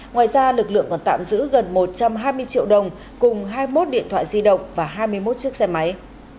ngoài ra lực lượng còn tạm giữ gần một trăm hai mươi triệu đồng cùng hai mươi một điện thoại di động và hai mươi một chiếc xe máy